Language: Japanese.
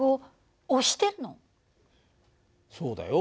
そうだよ。